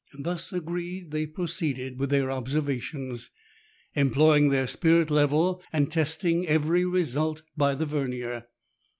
Thus agreed, they proceeded with their observations, employing their spirit level, and testing every result by the vernier.